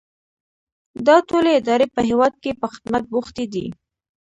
دا ټولې ادارې په هیواد کې په خدمت بوختې دي.